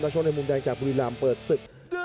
ช่วงในมุมแดงจากบุรีรำเปิดศึก